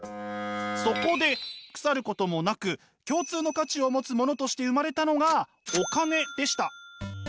そこで腐ることもなく共通の価値を持つものとして生まれたのがお金でした。